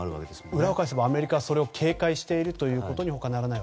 裏を返せばアメリカはそれを警戒しているという。